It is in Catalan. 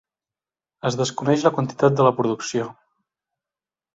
Es desconeix la quantitat de la producció.